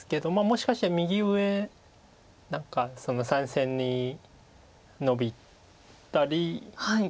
もしかして右上何か３線にノビたり。